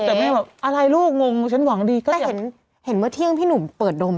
แต่แม่บอกอะไรลูกงงฉันหวังดีก็เห็นเมื่อเที่ยงพี่หนุ่มเปิดดม